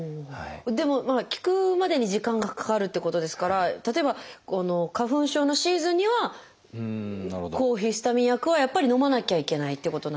でも効くまでに時間がかかるってことですから例えば花粉症のシーズンには抗ヒスタミン薬はやっぱりのまなきゃいけないってことなんですか？